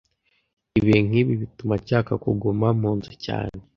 Ibihe nkibi bituma nshaka kuguma mu nzu cyane